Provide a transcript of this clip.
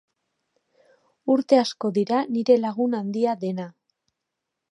Urte asko dira nire lagun handia dena.